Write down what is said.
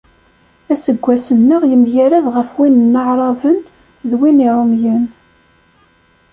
Aseggas-nneɣ yemgared ɣef-win n Aεraben, d win Iṛumyen.